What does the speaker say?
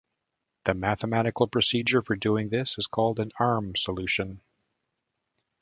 The mathematical procedure for doing this is called an arm solution.